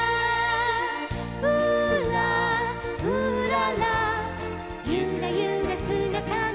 「うーらうーらら」「ゆらゆらすがたが」